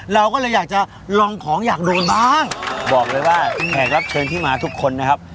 เราก็เลยอยากจะลองของอยากโดนบ้างบอกเลยว่าแขกรับเชิญที่มาทุกคนนะครับ